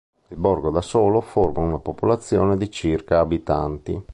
Il borgo da solo forma una popolazione di circa abitanti.